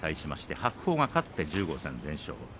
白鵬が勝って１５戦全勝。